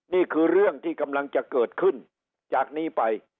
นี่คือเรื่องที่กำลังจะเกิดขึ้นจากนี้ไป